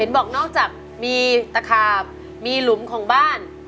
บอกนอกจากมีตะขาบมีหลุมของบ้าน